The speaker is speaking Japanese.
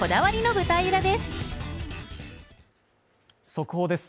速報です